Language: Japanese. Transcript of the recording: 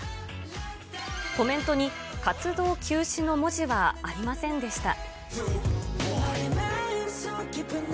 コメントに活動休止の文字はありませんでした。